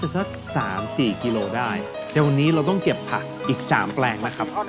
สักสามสี่กิโลได้แต่วันนี้เราต้องเก็บผักอีก๓แปลงนะครับ